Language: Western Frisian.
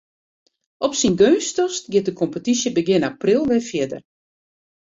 Op syn geunstichst giet de kompetysje begjin april wer fierder.